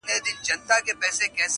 کورنۍ له دننه ماته سوې ده.